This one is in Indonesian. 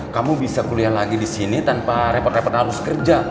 kamu bisa kuliah lagi di sini tanpa repot repot harus kerja